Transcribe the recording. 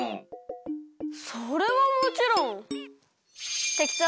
それはもちろんてきとうだよ。